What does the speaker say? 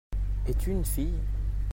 Es-tu une fille ?